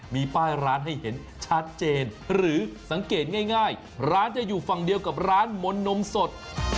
มีป้ายร้านให้เห็นชัดเจนหรือสังเกตง่ายร้านจะอยู่ฝั่งเดียวกับร้านมนต์นมสด